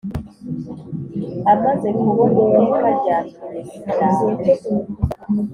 Amaze kubona iteka rya peresida